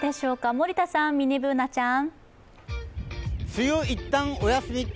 森田さん、ミニＢｏｏｎａちゃん。